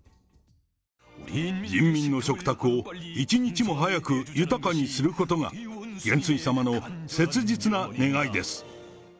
人民の食卓を一日も早く豊かにすることが、元帥様の切実な願いです。